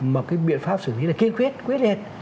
mà cái biện pháp xử lý là kiên quyết quyết liệt